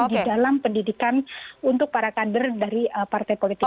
di dalam pendidikan untuk para kader dari partai politik